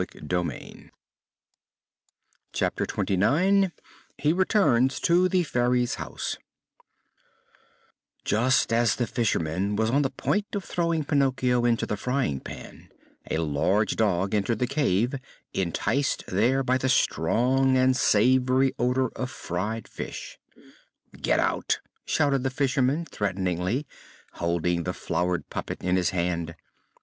CHAPTER XXIX HE RETURNS TO THE FAIRY'S HOUSE Just as the fisherman was on the point of throwing Pinocchio into the frying pan a large dog entered the cave, enticed there by the strong and savory odor of fried fish. "Get out!" shouted the fisherman, threateningly, holding the floured puppet in his hand.